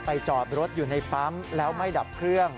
จอดรถอยู่ในปั๊มแล้วไม่ดับเครื่อง